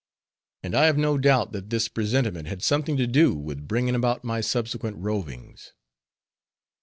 And I have no doubt that this presentiment had something to do with bringing about my subsequent rovings.